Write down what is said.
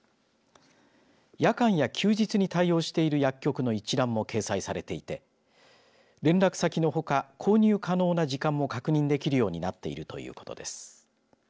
夜間や休日に対応している薬局の一覧も掲載されていて連絡先のほか、購入可能な時間も確認できるようになっているということです。